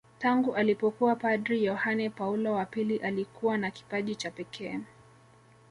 Tangu alipokuwa padri Yohane Paulo wa pili alikuwa na kipaji cha pekee